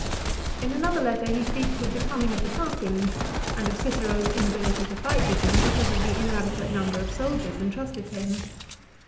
In another letter he speaks of the coming of the Parthians, and of Cicero's inability to fight with them because of the inadequate number of soldiers intrusted to him.